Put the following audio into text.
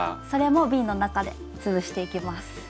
それもびんの中で潰していきます。